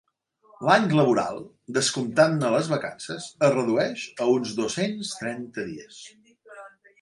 L'any laboral, descomptant-ne les vacances, es redueix a uns dos-cents trenta dies.